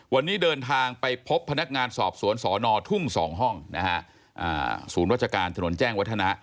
วันนี้เดินทางไปพบพนักงานสอบสวนสอนอทุ่ง๒ห้องนะฮะศูนย์วัชการถนนแจ้งวัฒนะ